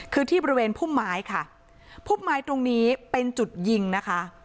คือที่บริเวณพุ่มไม้ค่ะพุ่มไม้ตรงนี้เป็นจุดยิงนะคะ